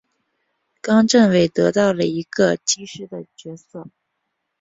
冈政伟得到了一个机师的角色。